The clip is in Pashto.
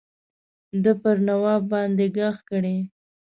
ده پر نواب باندي ږغ کړی.